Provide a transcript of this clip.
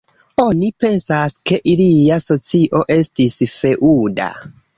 Oni pensas, ke ilia socio estis feŭda.